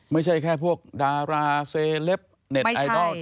ไม่ใช่แค่พวกดาราเซเลปเน็ตไอดอล